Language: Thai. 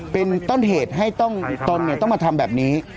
เป็นต้นเหตุให้ตนต้องมาทำแบบนี้